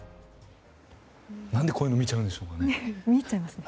なんでこういうの見ちゃうんでしょうね。